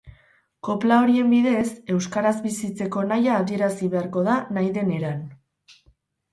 Kopla horien bidez, euskaraz bizitzeko nahia adierazi beharko da nahi den eran.